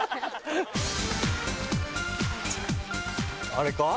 あれか？